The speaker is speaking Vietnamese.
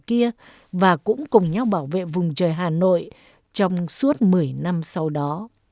trước kia và cũng cùng nhau bảo vệ vùng trời hà nội trong suốt một mươi năm sau đó